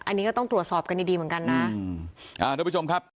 อันนี้ก็ต้องตรวจสอบกันดีเหมือนกันนะ